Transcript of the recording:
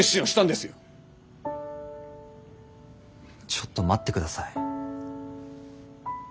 ちょっと待って下さい。